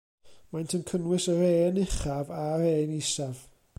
Maent yn cynnwys yr ên uchaf a'r ên isaf.